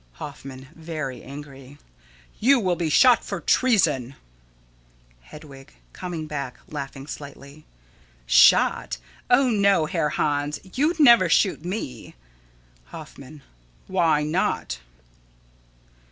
Hoffman: [Very angry.] You will be shot for treason. Hedwig: [Coming back, laughing slightly.] Shot? Oh, no, Herr Hans, you'd never shoot me! Hoffman: Why not?